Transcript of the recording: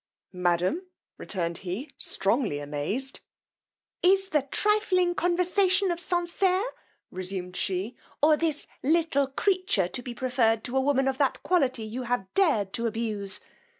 Madam, returned he, strongly amazed. Is the trifling conversation of Sanserre, resumed she, or this little creature to be preferred to a woman of that quality you have dared to abuse?